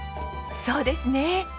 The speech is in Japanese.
そうですね！